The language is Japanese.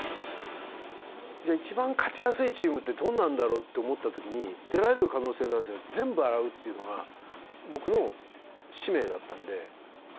じゃあ一番勝ちやすいチームってどんなんだろう？って思った時に出られる可能性のある選手を全部洗うっていうのが僕の使命だったので。